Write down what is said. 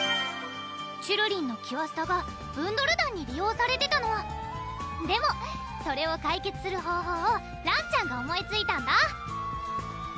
ちゅるりんのキュアスタがブンドル団に利用されてたのでもそれを解決する方法をらんちゃんが思いついたんだ